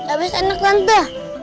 abis anak tante